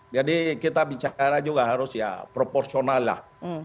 jadi kita bicara juga harus ya proporsional lah